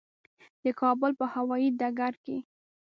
د کابل په هوایي ډګر کې.